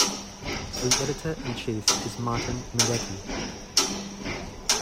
The editor in chief is Martin Middeke.